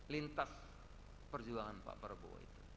lintas perjuangan pak prabowo itu